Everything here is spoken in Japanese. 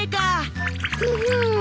フフ。